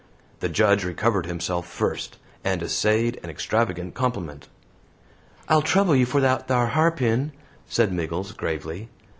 The Judge recovered himself first, and essayed an extravagant compliment. "I'll trouble you for that thar harpin," said Miggles, gravely.